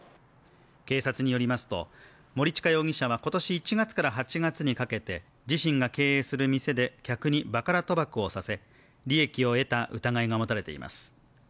警察によりますと、森近容疑者は今年１月から８月にかけて自身が経営する店で客にバカラ賭博をさせ利益を得た疑いが持たれています。